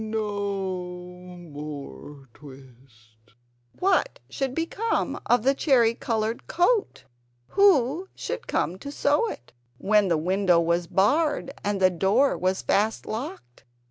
no more twist!" What should become of the cherry coloured coat? Who should come to sew it, when the window was barred, and the door was fast locked?